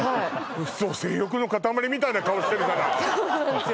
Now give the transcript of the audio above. ウソ性欲の塊みたいな顔してるからそうなんですよ